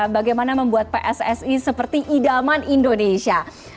bagaimana membuat pssi seperti idaman indonesia